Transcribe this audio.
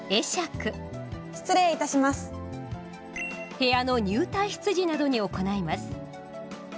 部屋の入退室時などに行います。